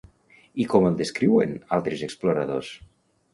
I com el descriuen altres exploradors?